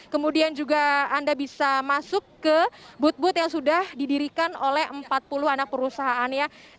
kemudian juga anda bisa masuk ke booth booth yang sudah didirikan oleh empat puluh anak perusahaan ya